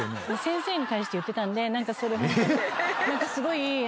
先生に対して言ってたんで何かすごい。